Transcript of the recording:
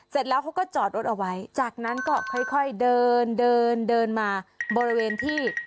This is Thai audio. เสร็จแล้วเขาก็จอดรถเอาไว้จากนั้นก็ค่อยเดินเดินมาบริเวณที่